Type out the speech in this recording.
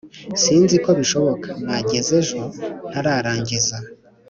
sinziko bishoboka nageza ejo ntararangiza